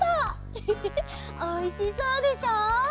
ウフフフおいしそうでしょ？